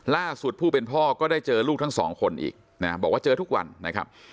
ผู้เป็นพ่อก็ได้เจอลูกทั้งสองคนอีกนะบอกว่าเจอทุกวันนะครับ